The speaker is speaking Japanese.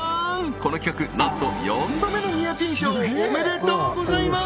この企画なんと４度目のニアピン賞おめでとうございます